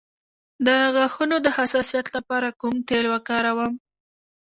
د غاښونو د حساسیت لپاره کوم تېل وکاروم؟